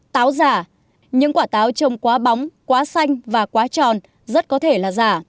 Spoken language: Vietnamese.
táo giả những quả táo trồng quá bóng quá xanh và quá tròn rất có thể là giả